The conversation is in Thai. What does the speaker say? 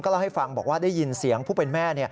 เล่าให้ฟังบอกว่าได้ยินเสียงผู้เป็นแม่